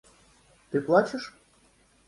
– Ты плачешь?